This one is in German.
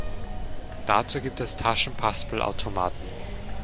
Dazu gibt es Taschenpaspel-Automaten.